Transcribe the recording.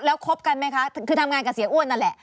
แล้วคบกันไหมคะคือทำงานกับเสียอ้วนนั่นแหละ